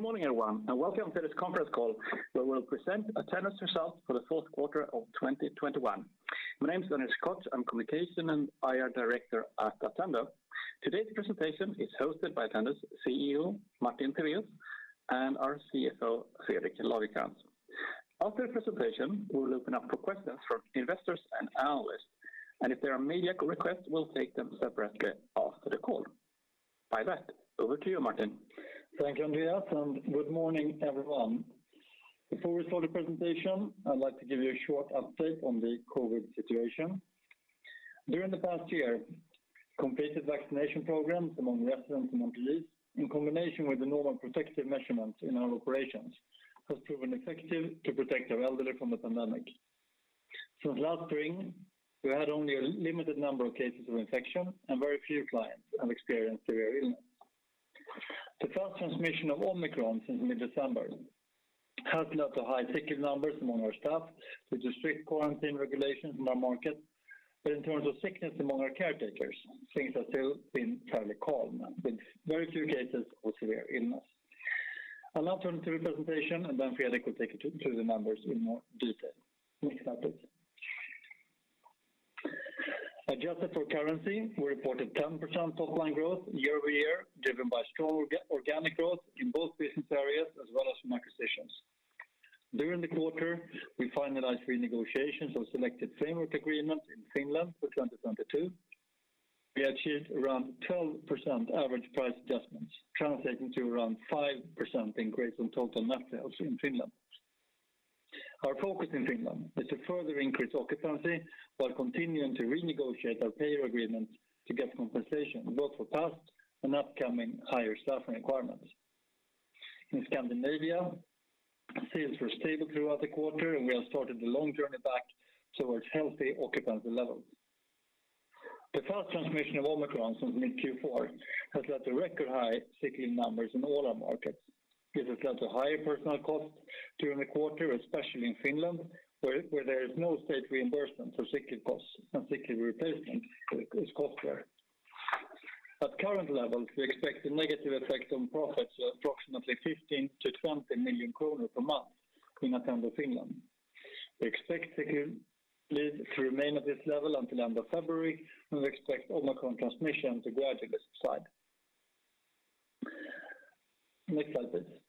Good morning, everyone, and welcome to this conference call, where we'll present Attendo's results for the fourth quarter of 2021. My name is Andreas Koch. I'm Communications and IR Director at Attendo. Today's presentation is hosted by Attendo's CEO, Martin Tivéus, and our CFO, Fredrik Lagercrantz. After the presentation, we will open up for questions from investors and analysts. If there are media requests, we'll take them separately after the call. With that, over to you, Martin. Thank you, Andreas, and good morning, everyone. Before we start the presentation, I'd like to give you a short update on the COVID situation. During the past year, completed vaccination programs among residents in Attendo, in combination with the normal protective measurements in our operations, has proven effective to protect our elderly from the pandemic. Since last spring, we had only a limited number of cases of infection, and very few clients have experienced severe illness. The fast transmission of Omicron since mid-December has led to high sick leave numbers among our staff with the strict quarantine regulations in our market. In terms of sickness among our caretakers, things have still been fairly calm with very few cases of severe illness. I'll now turn to the presentation, and then Fredrik will take you through the numbers in more detail. Next slide, please. Adjusted for currency, we reported 10% top-line growth year-over-year, driven by strong organic growth in both business areas as well as from acquisitions. During the quarter, we finalized renegotiations of selected framework agreements in Finland for 2022. We achieved around 12% average price adjustments, translating to around 5% increase on total net sales in Finland. Our focus in Finland is to further increase occupancy while continuing to renegotiate our payer agreements to get compensation, both for past and upcoming higher staffing requirements. In Scandinavia, sales were stable throughout the quarter, and we have started the long journey back towards healthy occupancy levels. The fast transmission of Omicron since mid Q4 has led to record high sick leave numbers in all our markets. This has led to higher personal costs during the quarter, especially in Finland, where there is no state reimbursement for sick leave costs and sick leave replacement is costlier. At current levels, we expect a negative effect on profits of approximately 15 million-20 million kronor per month in Attendo Finland. We expect sick leave to remain at this level until end of February, and we expect Omicron transmission to gradually subside. Next slide, please.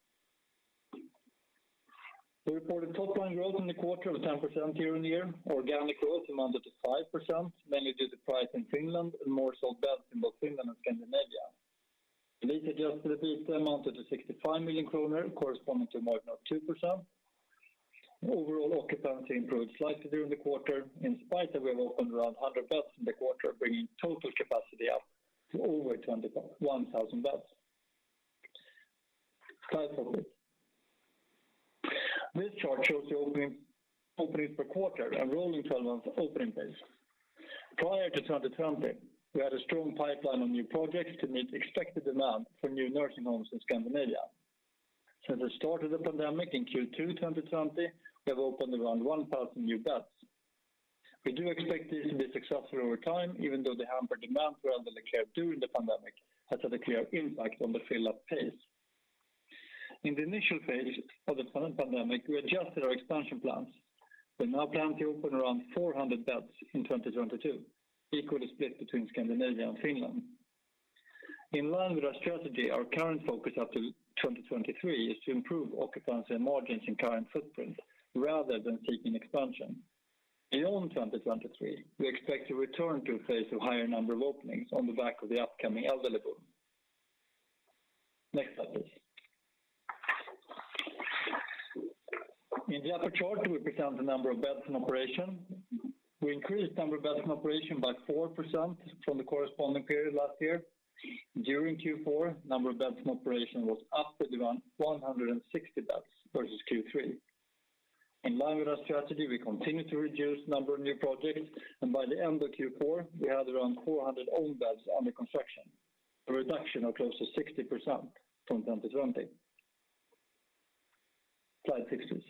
We reported top-line growth in the quarter of 10% year-on-year. Organic growth amounted to 5%, mainly due to price in Finland and more sold beds in both Finland and Scandinavia. Lease adjustments amounted to 65 million kronor, corresponding to margin of 2%. Overall occupancy improved slightly during the quarter in spite that we have opened around 100 beds in the quarter, bringing total capacity up to over 21,000 beds. Slide four, please. This chart shows the openings per quarter and rolling twelve-month opening pace. Prior to 2020, we had a strong pipeline of new projects to meet expected demand for new nursing homes in Scandinavia. Since the start of the pandemic in Q2 2020, we have opened around 1,000 new beds. We do expect this to be successful over time, even though the hampered demand for Attendo care during the pandemic has had a clear impact on the fill-up pace. In the initial phase of the pandemic, we adjusted our expansion plans. We now plan to open around 400 beds in 2022, equally split between Scandinavia and Finland. In line with our strategy, our current focus up to 2023 is to improve occupancy and margins in current footprint rather than seeking expansion. In all 2023, we expect to return to a phase of higher number of openings on the back of the upcoming elderly boom. Next slide, please. In the upper chart, we present the number of beds in operation. We increased number of beds in operation by 4% from the corresponding period last year. During Q4, number of beds in operation was up at around 160 beds versus Q3. In line with our strategy, we continue to reduce number of new projects, and by the end of Q4, we had around 400 own beds under construction, a reduction of close to 60% from 2020. Slide 16.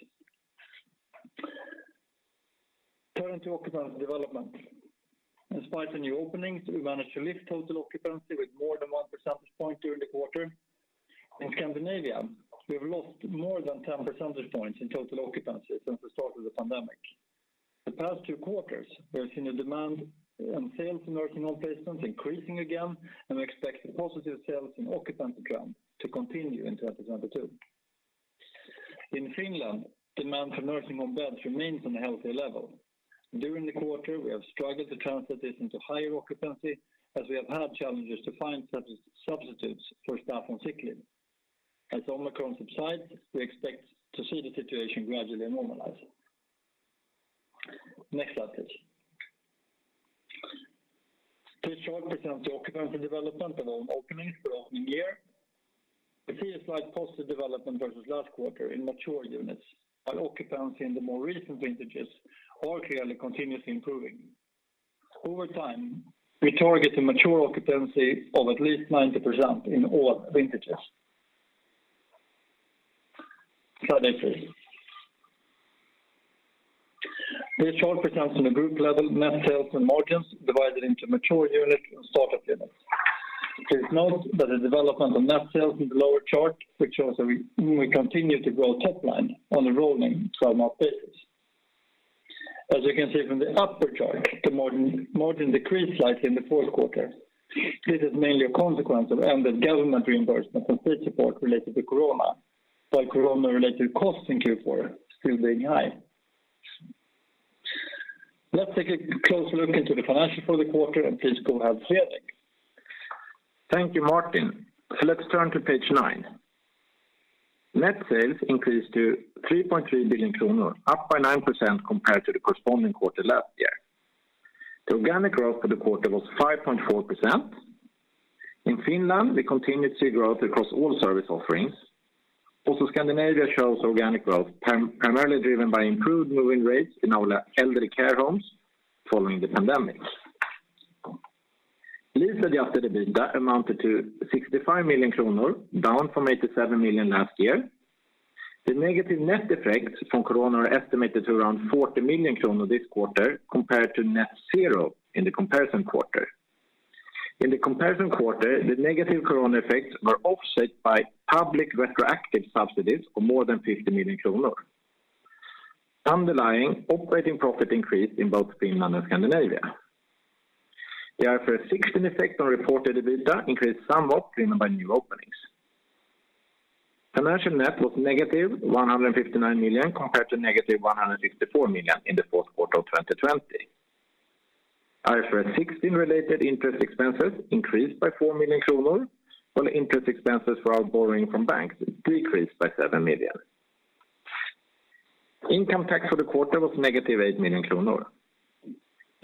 Turning to occupancy development. In spite of new openings, we managed to lift total occupancy with more than 1 percentage point during the quarter. In Scandinavia, we have lost more than 10 percentage points in total occupancy since the start of the pandemic. The past two quarters, we have seen the demand and sales in nursing home placements increasing again, and we expect the positive sales and occupancy trend to continue in 2022. In Finland, demand for nursing home beds remains on a healthy level. During the quarter, we have struggled to translate this into higher occupancy as we have had challenges to find substitutes for staff on sick leave. As Omicron subsides, we expect to see the situation gradually normalizing. Next slide, please. This chart presents the occupancy development of own openings for opening year. We see a slight positive development versus last quarter in mature units, while occupancy in the more recent vintages all clearly continues improving. Over time, we target a mature occupancy of at least 90% in all vintages. Slide 18. This chart presents on a group level net sales and margins divided into mature unit and startup units. Please note that the development of net sales in the lower chart, which shows that we continue to grow top line on a rolling twelve-month basis. As you can see from the upper chart, the margin decreased slightly in the fourth quarter. This is mainly a consequence of ended government reimbursement and state support related to corona, while corona-related costs in Q4 still being high. Let's take a close look into the financials for the quarter. Please go ahead, Fredrik. Thank you, Martin. Let's turn to page 9. Net sales increased to 3.3 billion kronor, up by 9% compared to the corresponding quarter last year. The organic growth for the quarter was 5.4%. In Finland, we continue to see growth across all service offerings. Also Scandinavia shows organic growth, primarily driven by improved moving rates in our elderly care homes following the pandemic. Lease-adjusted EBITDA amounted to 65 million kronor, down from 87 million last year. The negative net effects from corona are estimated to around 40 million kronor this quarter compared to net zero in the comparison quarter. In the comparison quarter, the negative corona effects were offset by public retroactive subsidies of more than 50 million kronor. Underlying operating profit increased in both Finland and Scandinavia. The IFRS 16 effect on reported EBITDA increased somewhat driven by new openings. Financial net was negative 159 million compared to negative 164 million in the fourth quarter of 2020. IFRS 16-related interest expenses increased by 4 million kronor while interest expenses for our borrowing from banks decreased by 7 million. Income tax for the quarter was negative 8 million kronor. The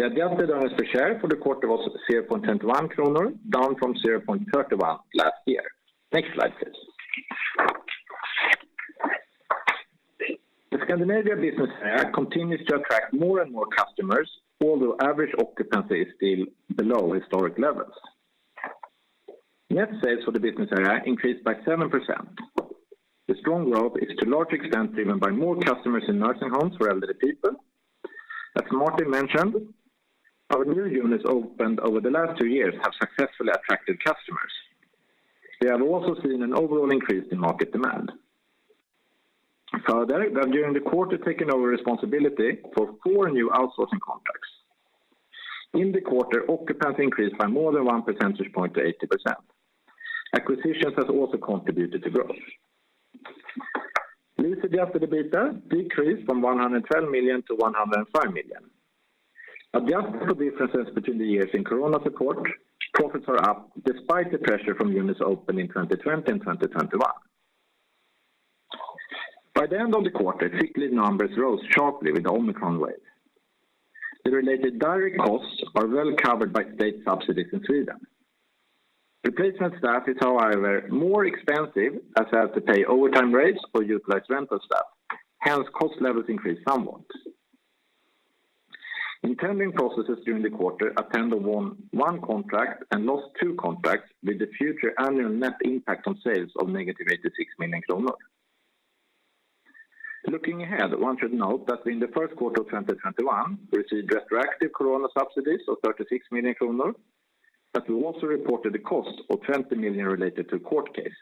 adjusted earnings per share for the quarter was 0.21 kronor, down from 0.31 last year. Next slide, please. The Scandinavia business area continues to attract more and more customers, although average occupancy is still below historic levels. Net sales for the business area increased by 7%. The strong growth is to a large extent driven by more customers in nursing homes for elderly people. As Martin mentioned, our new units opened over the last two years have successfully attracted customers. We have also seen an overall increase in market demand. Further, during the quarter taking over responsibility for four new outsourcing contracts. In the quarter, occupancy increased by more than 1 percentage point to 80%. Acquisitions has also contributed to growth. Lease-adjusted EBITDA decreased from 112 million to 105 million. Adjusted for differences between the years in corona support, profits are up despite the pressure from units opened in 2020 and 2021. By the end of the quarter, sick leave numbers rose sharply with the Omicron wave. The related direct costs are well covered by state subsidies in Sweden. Replacement staff is however more expensive as they have to pay overtime rates for utilized rental staff. Hence, cost levels increased somewhat. In tendering processes during the quarter, Attendo won one contract and lost two contracts with the future annual net impact on sales of negative 86 million kronor. Looking ahead, one should note that in the first quarter of 2021, we received retroactive corona subsidies of 36 million kronor, but we also reported a cost of 20 million related to a court case.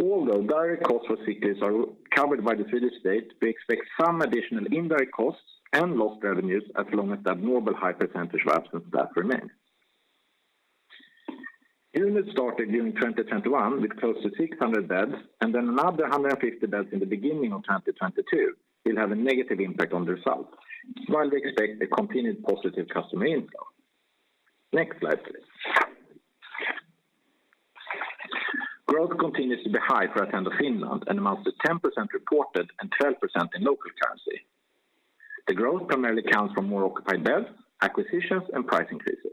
Although direct costs for sick leaves are covered by the Swedish state, we expect some additional indirect costs and lost revenues as long as the abnormal high percentage of absent staff remain. Units started during 2021 with close to 600 beds and then another 150 beds in the beginning of 2022 will have a negative impact on the result, while we expect a continued positive customer inflow. Next slide, please. Growth continues to be high for Attendo Finland and amounts to 10% reported and 12% in local currency. The growth primarily comes from more occupied beds, acquisitions, and price increases.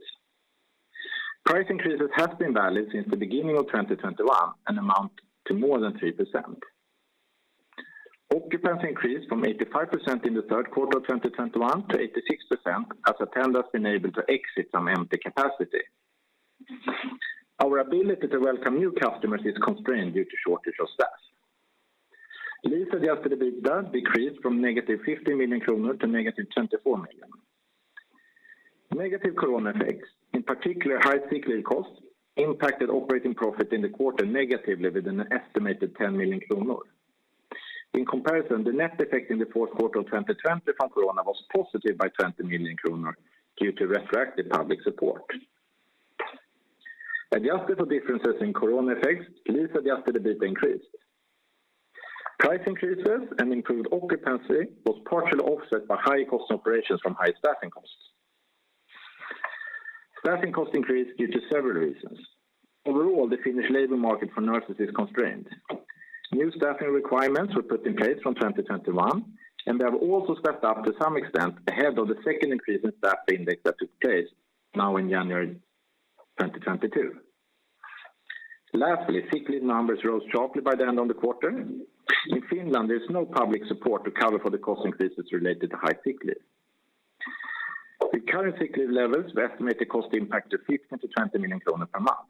Price increases have been valid since the beginning of 2021 and amount to more than 3%. Occupancy increased from 85% in the third quarter of 2021 to 86% as Attendo has been able to exit some empty capacity. Our ability to welcome new customers is constrained due to shortage of staff. lease-adjusted EBITDA decreased from -50 million kronor to -24 million. Negative corona effects, in particular high sick leave costs, impacted operating profit in the quarter negatively with an estimated 10 million kronor. In comparison, the net effect in the fourth quarter of 2020 from corona was positive by 20 million kronor due to retroactive public support. Adjusted for differences in corona effects, lease-adjusted EBITDA increased. Price increases and improved occupancy was partially offset by higher cost operations from high staffing costs. Staffing costs increased due to several reasons. Overall, the Finnish labor market for nurses is constrained. New staffing requirements were put in place from 2021, and they have also stepped up to some extent ahead of the second increase in staffing ratio that took place now in January 2022. Lastly, sick leave numbers rose sharply by the end of the quarter. In Finland, there's no public support to cover for the cost increases related to high sick leave. With current sick leave levels, we estimate the cost impact of 15 million-20 million kronor per month.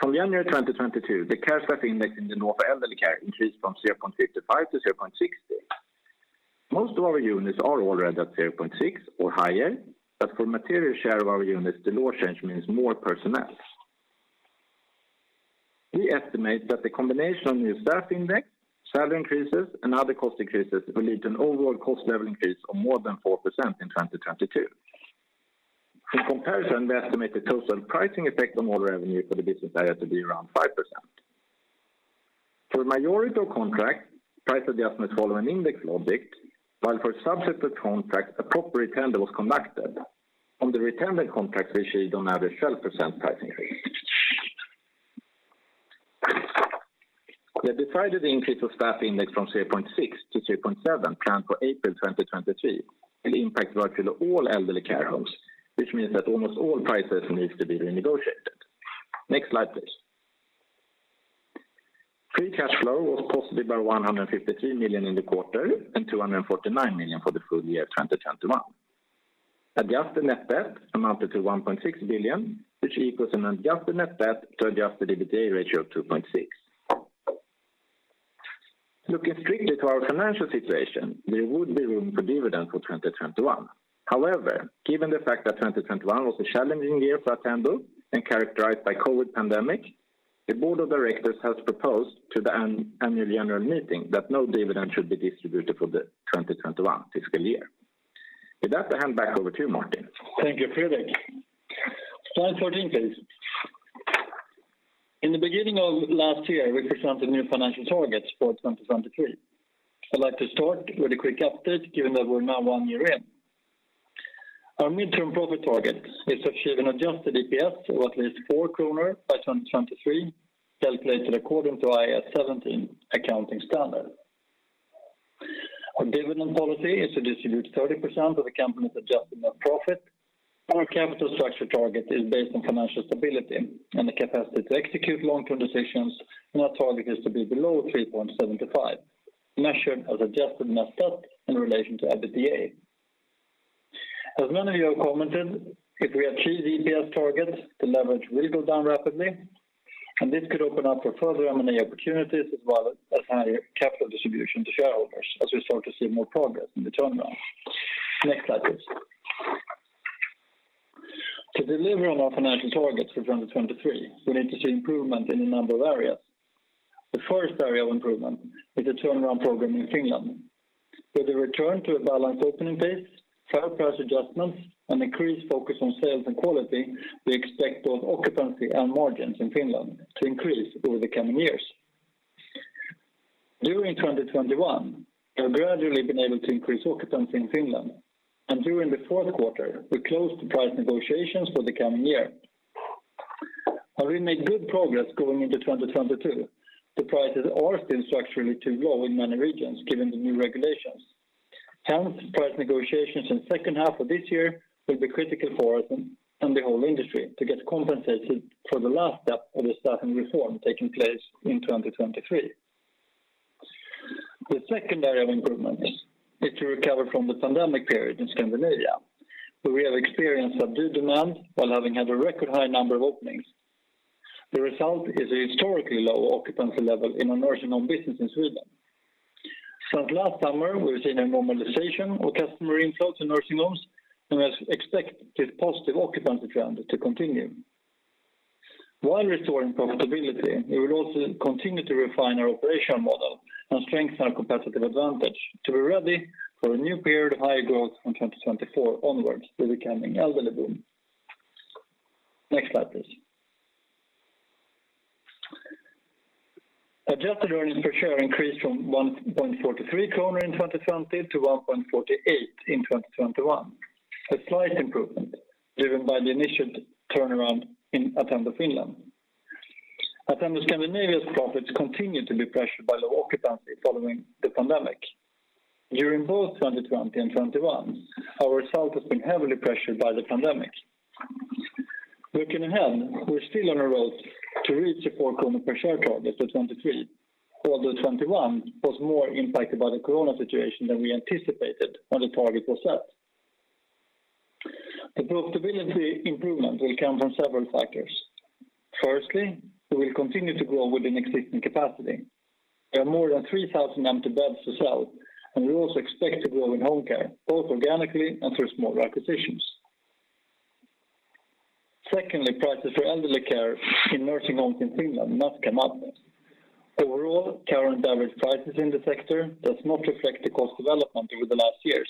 From January 2022, the care staffing ratio in the Nordic elderly care increased from 0.55-0.60. Most of our units are already at 0.6 or higher, but for material share of our units, the law change means more personnel. We estimate that the combination of new staffing ratio, salary increases, and other cost increases will lead to an overall cost level increase of more than 4% in 2022. In comparison, we estimate the total pricing effect on all revenue for the business area to be around 5%. For majority of contracts, price adjustments follow an index logic, while for subsequent contracts, a proper renegotiation that was conducted. On the renegotiated contracts, we issued on average 12% pricing increase. The decided increase of staffing ratio from 0.6-0.7 planned for April 2023 will impact virtually all elderly care homes, which means that almost all prices need to be renegotiated. Next slide, please. Free cash flow was positive by 153 million in the quarter and 249 million for the full year 2021. Adjusted net debt amounted to 1.6 billion, which equals an adjusted net debt to adjusted EBITDA ratio of 2.6. Looking strictly to our financial situation, there would be room for dividend for 2021. However, given the fact that 2021 was a challenging year for Attendo and characterized by COVID pandemic, the board of directors has proposed to the annual general meeting that no dividend should be distributed for the 2021 fiscal year. With that, I hand back over to you, Martin. Thank you, Fredrik. Slide 14, please. In the beginning of last year, we presented new financial targets for 2023. I'd like to start with a quick update given that we're now 1 year in. Our midterm profit target is achieving adjusted EPS of at least 4 kronor by 2023, calculated according to IAS 17 accounting standard. Our dividend policy is to distribute 30% of the company's adjusted net profit. Our capital structure target is based on financial stability and the capacity to execute long-term decisions, and our target is to be below 3.75, measured as adjusted net debt in relation to EBITDA. As many of you have commented, if we achieve EPS targets, the leverage will go down rapidly, and this could open up for further M&A opportunities as well as higher capital distribution to shareholders as we start to see more progress in the turnaround. Next slide, please. To deliver on our financial targets for 2023, we need to see improvement in a number of areas. The first area of improvement is the turnaround program in Finland. With a return to a balanced opening base, fair price adjustments, and increased focus on sales and quality, we expect both occupancy and margins in Finland to increase over the coming years. During 2021, we have gradually been able to increase occupancy in Finland, and during the fourth quarter, we closed the price negotiations for the coming year. We made good progress going into 2022. The prices are still structurally too low in many regions given the new regulations. Hence, price negotiations in second half of this year will be critical for us and the whole industry to get compensated for the last step of the staffing reform taking place in 2023. The second area of improvements is to recover from the pandemic period in Scandinavia, where we have experienced a good demand while having had a record high number of openings. The result is a historically low occupancy level in our nursing home business in Sweden. Since last summer, we've seen a normalization of customer inflows in nursing homes, and we expect this positive occupancy trend to continue. While restoring profitability, we will also continue to refine our operational model and strengthen our competitive advantage to be ready for a new period of higher growth from 2024 onwards with the coming elderly boom. Next slide, please. Adjusted earnings per share increased from 1.43 kronor in 2020 to 1.48 in 2021. A slight improvement driven by the initial turnaround in Attendo Finland. Attendo Scandinavia's profits continue to be pressured by low occupancy following the pandemic. During both 2020 and 2021, our result has been heavily pressured by the pandemic. Looking ahead, we're still on a road to reach the 4 kronor per share target for 2023, although 2021 was more impacted by the corona situation than we anticipated when the target was set. The profitability improvement will come from several factors. Firstly, we will continue to grow within existing capacity. There are more than 3,000 empty beds to sell, and we also expect to grow in home care, both organically and through small acquisitions. Secondly, prices for elderly care in nursing homes in Finland must come up. Overall, current average prices in the sector does not reflect the cost development over the last years.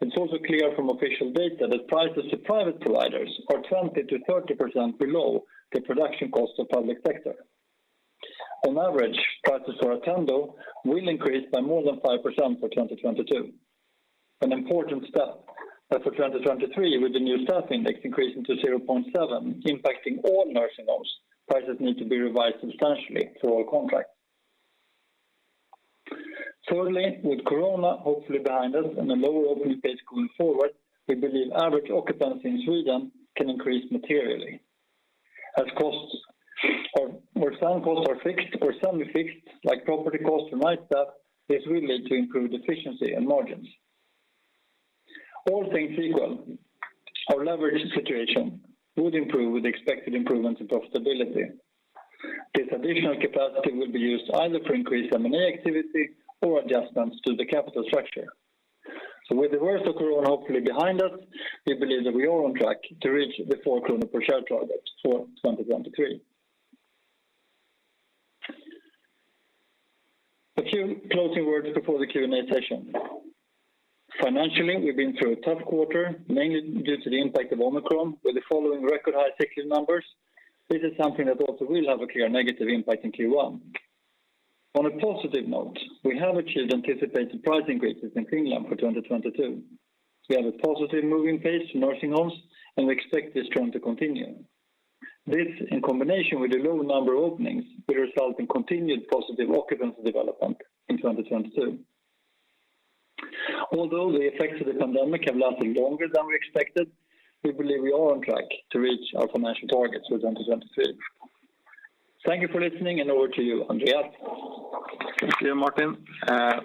It's also clear from official data that prices to private providers are 20%-30% below the production cost of public sector. On average, prices for Attendo will increase by more than 5% for 2022. An important step that for 2023 with the new staffing ratio increasing to 0.7 impacting all nursing homes, prices need to be revised substantially through our contract. Thirdly, with corona hopefully behind us and a lower opening pace going forward, we believe average occupancy in Sweden can increase materially. As some costs are fixed or semi-fixed, like property costs and night staff, this will lead to improved efficiency and margins. All things equal, our leverage situation would improve with expected improvements in profitability. This additional capacity will be used either for increased M&A activity or adjustments to the capital structure. With the worst of corona hopefully behind us, we believe that we are on track to reach the 4 kronor per share target for 2023. A few closing words before the Q&A session. Financially, we've been through a tough quarter, mainly due to the impact of Omicron with the following record high sick leave numbers. This is something that also will have a clear negative impact in Q1. On a positive note, we have achieved anticipated price increases in Finland for 2022. We have a positive moving pace to nursing homes, and we expect this trend to continue. This in combination with a low number of openings will result in continued positive occupancy development in 2022. Although the effects of the pandemic have lasted longer than we expected, we believe we are on track to reach our financial targets for 2023. Thank you for listening, and over to you, Andreas. Thank you, Martin.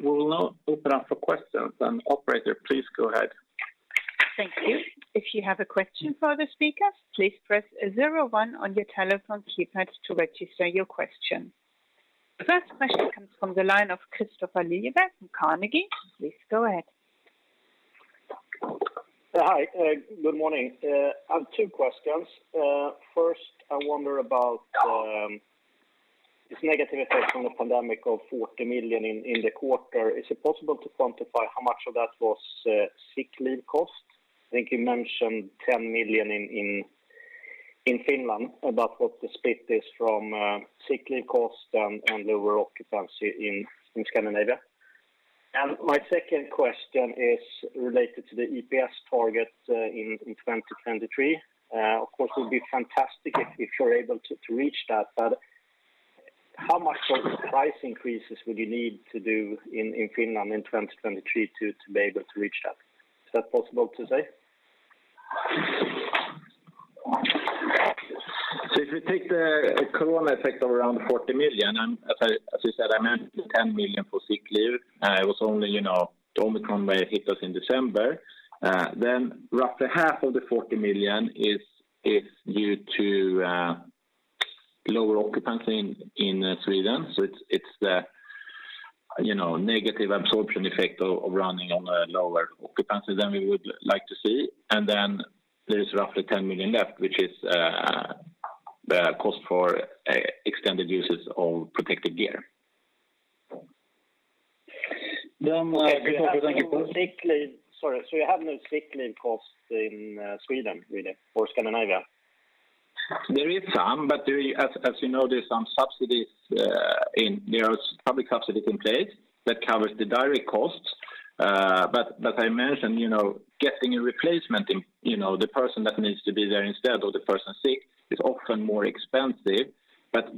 We will now open up for questions. Operator, please go ahead. Thank you. If you have a question for the speakers, please Press zero-one on your telephone keypad to register your question. The first question comes from the line of Kristofer Liljeberg from Carnegie. Please go ahead. Hi, good morning. I have two questions. First, I wonder about this negative effect from the pandemic of 40 million in the quarter. Is it possible to quantify how much of that was sick leave costs? I think you mentioned 10 million in Finland about what the split is from sick leave costs and lower occupancy in Scandinavia. My second question is related to the EPS target in 2023. Of course it would be fantastic if you're able to reach that. But how much price increases would you need to do in Finland in 2023 to be able to reach that? Is that possible to say? If you take the corona effect of around 40 million, and as you said, I mentioned 10 million for sick leave. It was only, you know, the Omicron wave hit us in December. Then roughly half of the 40 million is due to lower occupancy in Sweden. It's the, you know, negative absorption effect of running on a lower occupancy than we would like to see. Then there is roughly 10 million left, which is the cost for extended uses of protective gear. Kristofer, thank you for Sorry. You have no sick leave costs in Sweden, really, or Scandinavia? There is some, but there is, as you know, some subsidies in. There is public subsidies in place that covers the direct costs. But as I mentioned, you know, getting a replacement in, you know, the person that needs to be there instead of the person sick is often more expensive.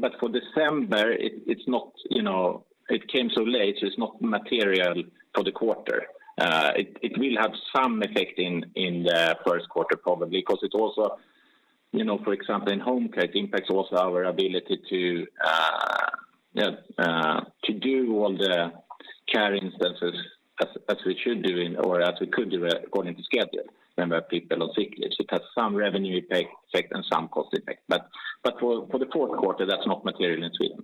But for December it's not, you know. It came so late, so it's not material for the quarter. It will have some effect in the first quarter probably because it also, you know, for example in home care, it impacts also our ability to to do all the care instances as we should do in or as we could do according to schedule when we have people on sick leave. It has some revenue impact, effect, and some cost effect. For the fourth quarter, that's not material in Sweden.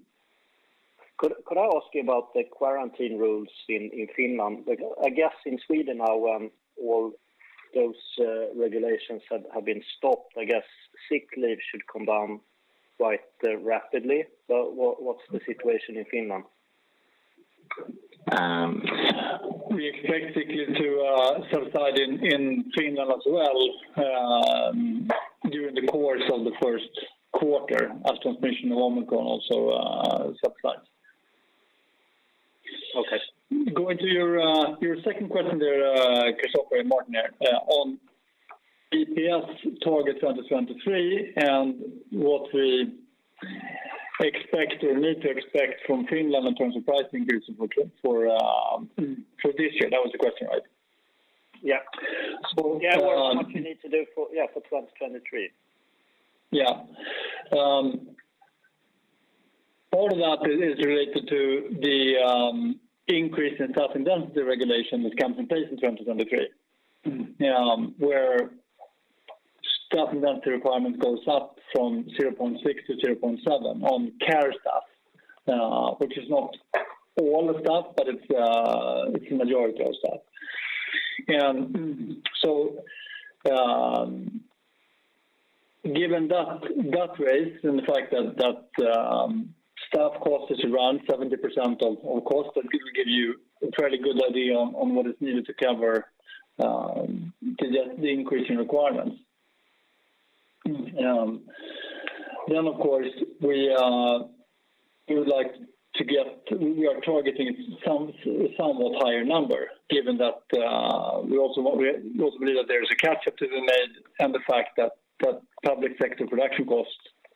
Could I ask you about the quarantine rules in Finland? Like, I guess in Sweden now, all those regulations have been stopped. I guess sick leave should come down quite rapidly. What's the situation in Finland? We expect sick leave to subside in Finland as well during the course of the first quarter as transmission of Omicron also subsides. Okay. Going to your second question there, Kristofer, Martin here. On EPS target 2023 and what we expect or need to expect from Finland in terms of price increases for this year. That was the question, right? Yeah. So, um- What you need to do for 2023. Yeah. All of that is related to the increase in staffing ratio regulation that comes in place in 2023, where staffing ratio requirement goes up from 0.6-0.7 on care staff, which is not all the staff, but it's a majority of staff. Given that, staff cost is around 70% of cost, that should give you a fairly good idea on what is needed to cover to get the increase in requirements. Of course, we are targeting some somewhat higher number given that we also believe that there is a catch-up to be made and the fact that public sector production cost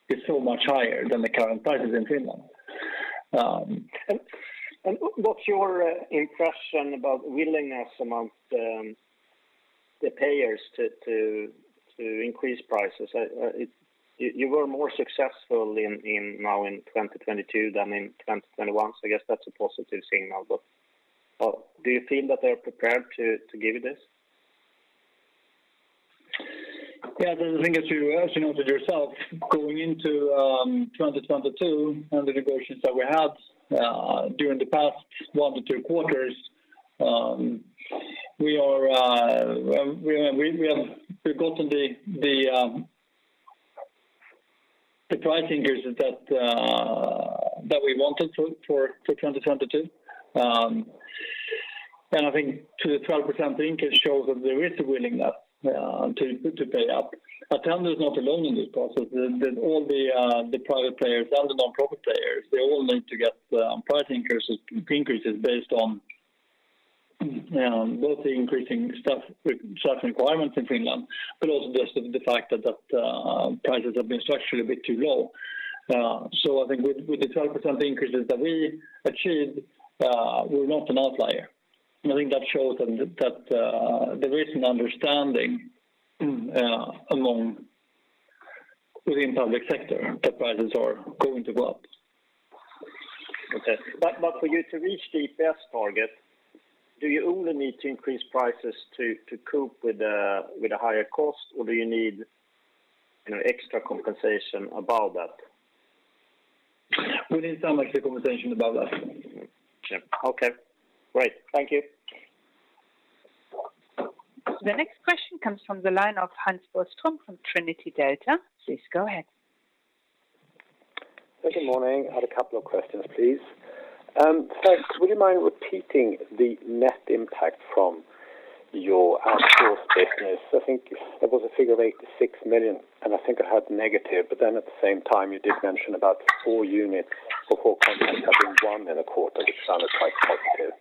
is so much higher than the current prices in Finland. What's your impression about willingness among the payers to increase prices? You were more successful in 2022 than in 2021. I guess that's a positive signal. Do you feel that they are prepared to give you this? Yeah. The thing is you, as you noted yourself, going into 2022 and the negotiations that we had during the past one to two quarters, we have fought for the pricing increases that we wanted for 2022. I think that the 12% increase shows that there is a willingness to pay up. Attendo is not alone in this process. All the private players and the nonprofit players, they all need to get pricing increases based on both the increasing staff requirements in Finland, but also just the fact that prices have been structurally a bit too low. I think with the 12% increases that we achieved, we're not an outlier. I think that shows that there is an understanding within public sector that prices are going to go up. Okay. For you to reach the EPS target, do you only need to increase prices to cope with the higher cost, or do you need, you know, extra compensation above that? We need some extra compensation above that. Sure. Okay, great. Thank you. The next question comes from the line of Hans Bostrom from Trinity Delta. Please go ahead. Good morning. I had a couple of questions, please. First, would you mind repeating the net impact from your outsourced business? I think there was a figure of 86 million, and I think I had negative. At the same time, you did mention about four units of all contracts having won in a quarter, which sounded quite positive.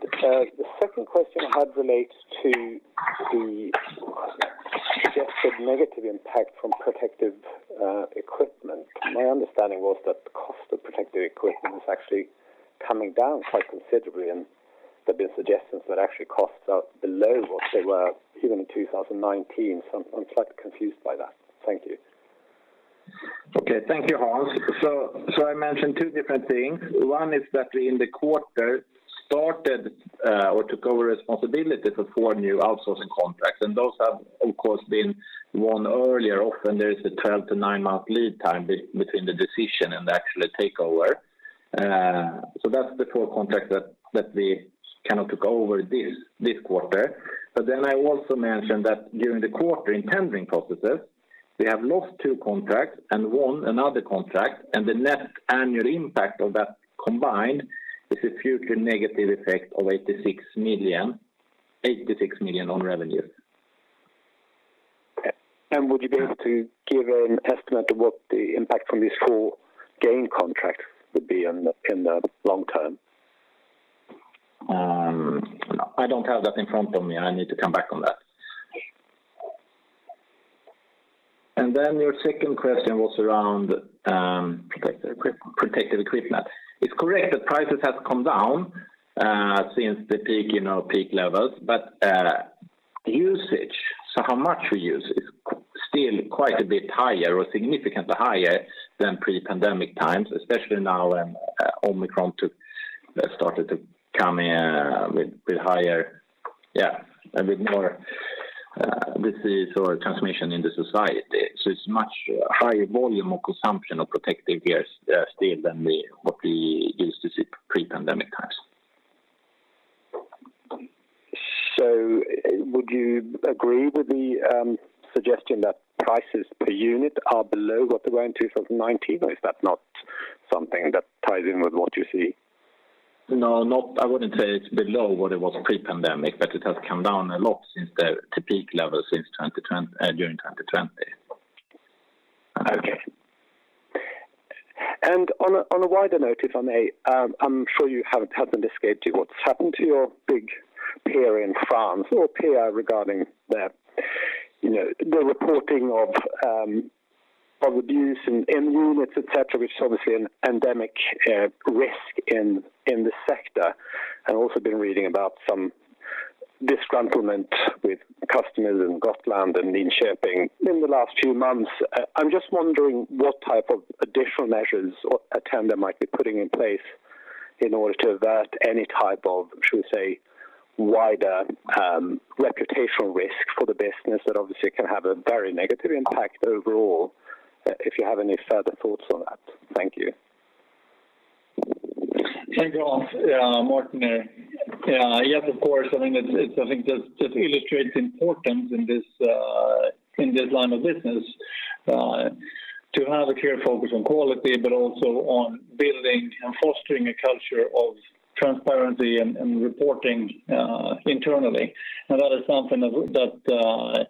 The second question I had relates to the suggested negative impact from protective equipment. My understanding was that the cost of protective equipment is actually coming down quite considerably, and there have been suggestions that actually costs are below what they were even in 2019. I'm quite confused by that. Thank you. Okay. Thank you, Hans. I mentioned two different things. One is that in the quarter we started or took over responsibility for four new outsourcing contracts, and those have of course been won earlier. Often there is a 12-9 month lead time between the decision and the actual takeover. That's the four contracts that we kind of took over this quarter. I also mentioned that during the quarter in tendering processes, we have lost two contracts and won another contract, and the net annual impact of that combined is a future negative effect of 86 million on revenue. Would you be able to give an estimate of what the impact from these four gain contracts would be in the long term? No, I don't have that in front of me. I need to come back on that. Then your second question was around protective equipment. It's correct that prices have come down since the peak, you know, peak levels. Usage, so how much we use is still quite a bit higher or significantly higher than pre-pandemic times, especially now, Omicron started to come in with a bit higher, yeah, a bit more disease or transmission in the society. It's much higher volume of consumption of protective gears still than what we used to see pre-pandemic times. Would you agree with the suggestion that prices per unit are below what they were in 2019, or is that not something that ties in with what you see? I wouldn't say it's below what it was pre-pandemic, but it has come down a lot since the peak levels since 2020, during 2020. Okay. On a wider note, if I may, I'm sure you haven't escaped it. What's happened to your big peer in France or peer regarding the, you know, the reporting of abuse in units, et cetera, which is obviously an endemic risk in the sector. I've also been reading about some disgruntlement with customers in Gotland and Linköping in the last few months. I'm just wondering what type of additional measures or Attendo might be putting in place in order to avert any type of, should we say, wider reputational risk for the business that obviously can have a very negative impact overall, if you have any further thoughts on that. Thank you. Thank you, Hans. Yeah, Martin here. Yeah. Yes, of course. I think just illustrates the importance in this line of business to have a clear focus on quality, but also on building and fostering a culture of transparency and reporting internally. That is something that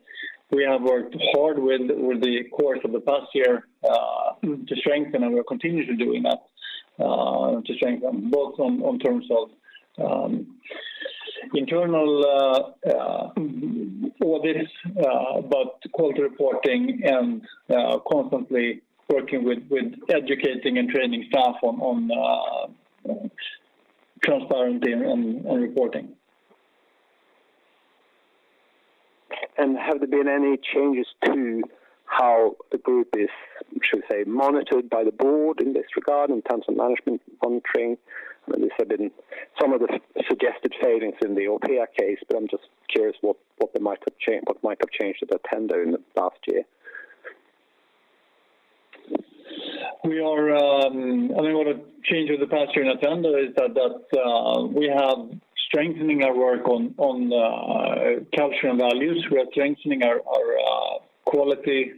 we have worked hard with over the course of the past year to strengthen, and we're continuing to doing that to strengthen both on terms of internal audits, but quality reporting and constantly working with educating and training staff on transparency and reporting. Have there been any changes to how the group is, should we say, monitored by the board in this regard in terms of management monitoring? I mean, these have been some of the suggested failings in the Orpea case, but I'm just curious what might have changed at Attendo in the past year. I mean, what have changed in the past year in Attendo is that we have strengthening our work on culture and values. We are strengthening our quality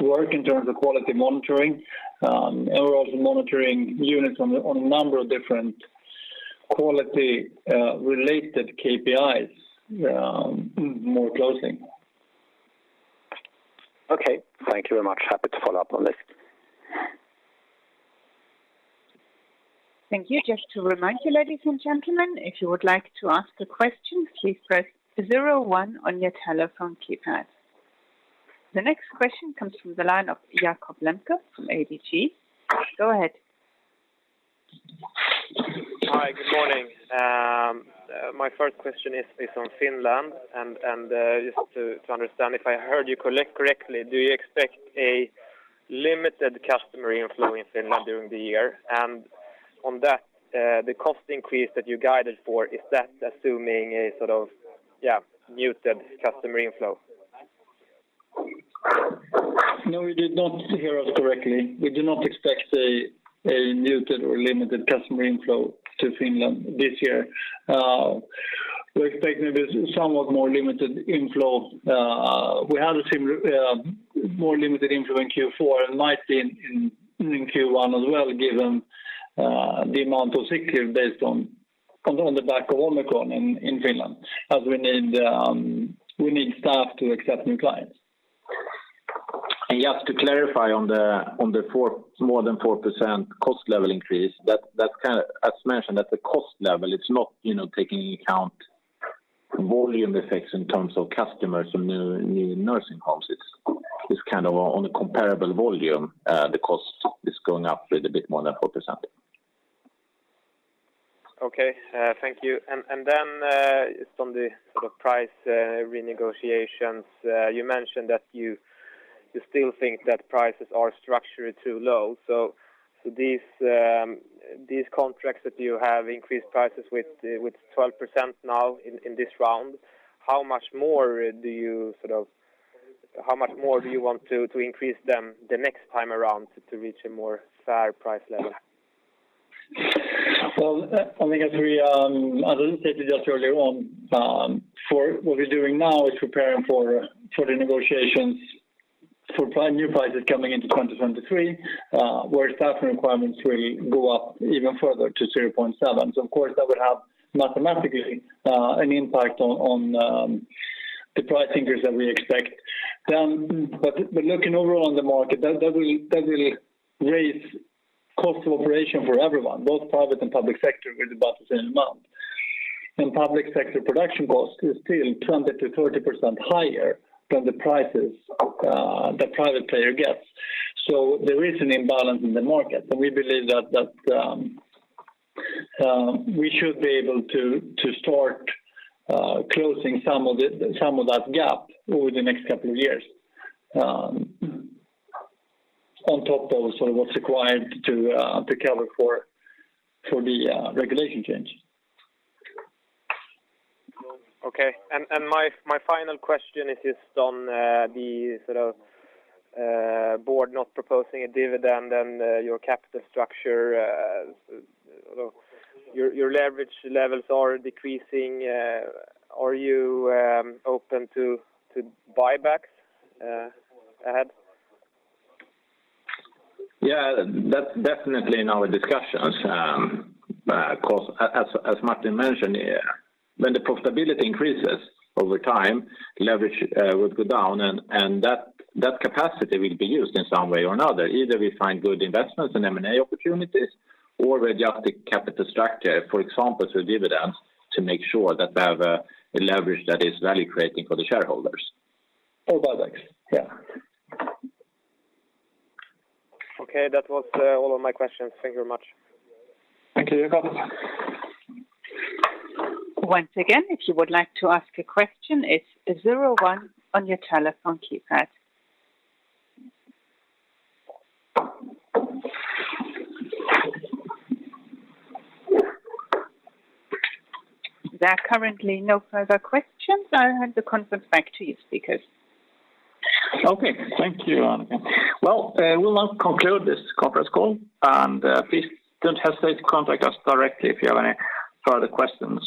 work in terms of quality monitoring. We're also monitoring units on a number of different quality related KPIs more closely. Okay. Thank you very much. Happy to follow up on this. Thank you. Just to remind you, ladies and gentlemen, if you would like to ask a question, please press zero one on your telephone keypad. The next question comes from the line of Jakob Lembke from ABG. Go ahead. Hi. Good morning. My first question is based on Finland and just to understand if I heard you correctly, do you expect a limited customer inflow in Finland during the year? On that, the cost increase that you guided for, is that assuming a sort of, yeah, muted customer inflow? No, you did not hear us correctly. We do not expect a muted or limited customer inflow to Finland this year. We're expecting a bit somewhat more limited inflow. We had more limited inflow in Q4 and might be in Q1 as well, given the amount of sick leave based on the back of Omicron in Finland as we need staff to accept new clients. Just to clarify on the more than 4% cost level increase, as mentioned, at the cost level, it's not taking into account volume effects in terms of customers or new nursing homes. It's kind of on a comparable volume, the cost is going up with a bit more than 4%. Okay. Thank you. Just on the sort of price renegotiations, you mentioned that you still think that prices are structured too low. These contracts that you have increased prices with 12% now in this round, how much more do you want to increase them the next time around to reach a more fair price level? Well, I think as I stated just earlier on, what we're doing now is preparing for the negotiations for new prices coming into 2023, where staffing requirements will go up even further to 0.7. Of course, that would have mathematically an impact on the price increase that we expect. Looking overall on the market, that will raise cost of operation for everyone, both private and public sector, with about the same amount. Public sector production cost is still 20%-30% higher than the prices the private player gets. There is an imbalance in the market, and we believe that we should be able to start closing some of it, some of that gap over the next couple of years, on top of sort of what's required to cover for the regulation change. Okay. My final question is just on the sort of board not proposing a dividend and your capital structure. Sort of your leverage levels are decreasing. Are you open to buybacks ahead? Yeah. That's definitely in our discussions. Of course, as Martin mentioned, when the profitability increases over time, leverage would go down and that capacity will be used in some way or another. Either we find good investments in M&A opportunities or we adjust the capital structure, for example, through dividends, to make sure that we have a leverage that is value creating for the shareholders. Buybacks. Yeah. Okay. That was all of my questions. Thank you very much. Thank you, Jakob. Once again, if you would like to ask a question, it's zero one on your telephone keypad. There are currently no further questions. I'll hand the conference back to your speakers. Okay. Thank you, Annika. Well, we'll now conclude this Conference Call, and please don't hesitate to contact us directly if you have any further questions.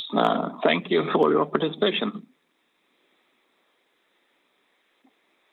Thank you for your participation.